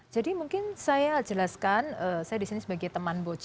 jadi mungkin saya jelaskan saya disini sebagai teman boccia